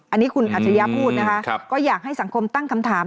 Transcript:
อันนี้คุณอัจฉริยะพูดนะคะก็อยากให้สังคมตั้งคำถาม